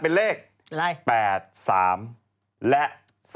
เป็นเลข๘๓และ๓๔